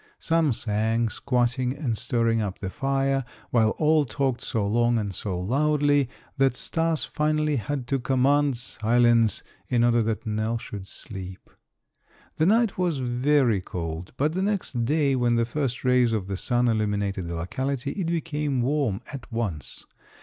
Some sang, squatting and stirring up the fire, while all talked so long and so loudly that Stas finally had to command silence in order that Nell should sleep. The night was very cold, but the next day, when the first rays of the sun illuminated the locality, it became warm at once.